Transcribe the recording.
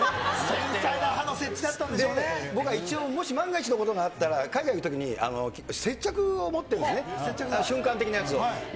繊細な歯の設置だったんでし僕は一応、もし万が一のことがあったら、海外行くときに、ちょっと接着を持ってるんですね、瞬間的なやつを。